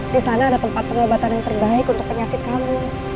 disana ada tempat pengobatan yang terbaik untuk penyakit kamu